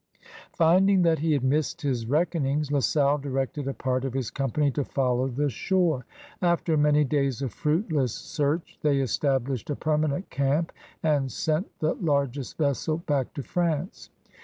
Finding that he had missed his reckonings. La Salle directed a part of his company to follow the shore. After many days of fruitless search they established a permanent camp and sent the largest vessel back to France.